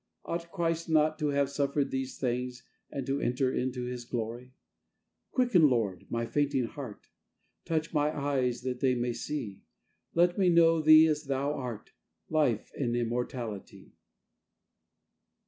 Ought Christ not to have suffered these things and to enter into His Glory? Quicken, Lord, my fainting heart, Touch my eyes that they may see, Let me know Thee as Thou art. Life and Immortality.